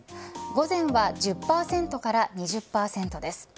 午前は１０％から２０％です。